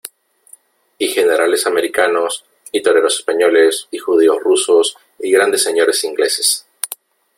y generales americanos , y toreros españoles , y judíos rusos , y grandes señores ingleses .